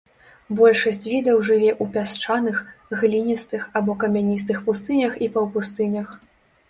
Большасць відаў жыве ў пясчаных, гліністых або камяністых пустынях і паўпустынях.